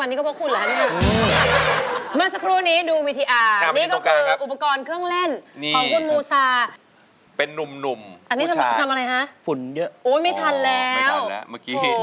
ไม่ทันแล้วเมื่อกี้